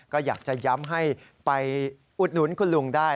ก็อยากจะย้ำให้ไปอุดหนุนคุณลุงได้